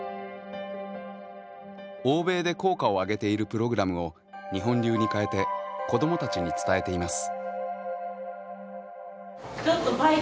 欧米で効果を上げているプログラムを日本流に変えて子どもたちに伝えています。